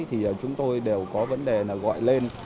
thì chúng tôi đều có vấn đề là gọi lên